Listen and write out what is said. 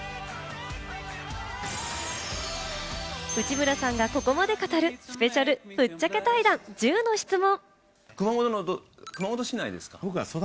内村さんがここまで語るスペシャルぶっちゃけ対談、１０の質問。